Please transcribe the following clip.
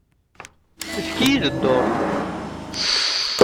Efk-iyi-d dduṛt.